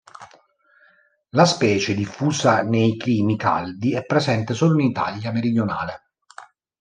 La specie, diffusa nei climi caldi, è presente solo in Italia meridionale.